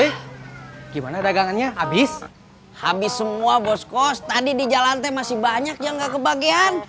hai cuy gimana dagangannya habis habis semua bos kos tadi di jalan masih banyak yang gak kebagian